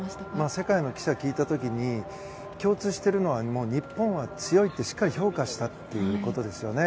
世界の記者に聞いた時に共通しているのは日本は強いとしっかり評価したということですよね。